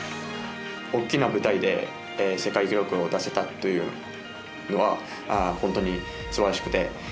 大きな舞台で世界記録を出せたというのは本当にすばらしくて。